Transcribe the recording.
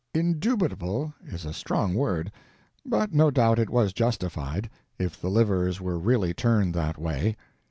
"Indubitable" is a strong word, but no doubt it was justified, if the livers were really turned that way.